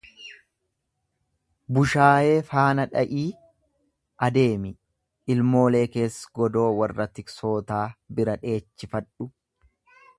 bushaayee faana dha'ii adeemi! Ilmoolee kees godoo warra tiksootaa bira dheechifadhu!